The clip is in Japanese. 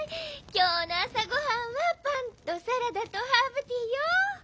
きょうのあさごはんはパンとサラダとハーブティーよ。